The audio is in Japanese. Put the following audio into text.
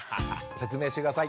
説明して下さい。